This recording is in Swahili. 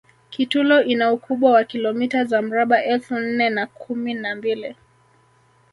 kitulo ina ukubwa wa kilomita za mraba elfu nne na kumi na mbili